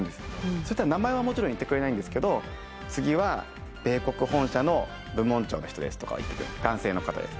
そしたら名前はもちろん言ってくれないんですけど「次は米国本社の部門長の人です」とかは言ってくれる「男性の方です」。